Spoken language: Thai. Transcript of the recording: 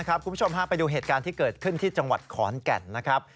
คุณผู้ชมพาไปดูเหตุการณ์ที่เกิดขึ้นที่จังหวัดขอนแก่นนะครับ